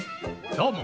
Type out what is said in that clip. どうも。